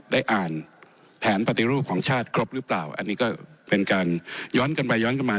ได้อ่านแผนปฏิรูปของชาติครบหรือเปล่าอันนี้ก็เป็นการย้อนกันไปย้อนกันมา